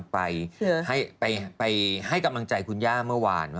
ไปให้กำลังใจคุณย่าเมื่อวาน